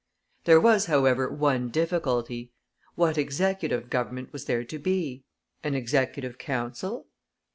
There was, however, one difficulty. What Executive Government was there to be? An Executive Council?